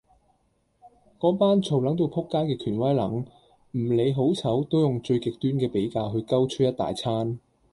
嗰班嘈撚到仆街嘅權威撚，唔理好醜，都用最極端嘅比較去鳩吹一大餐。